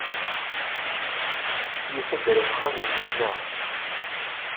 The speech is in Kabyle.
Yusa-d ɣer uxxam-nnem, naɣ?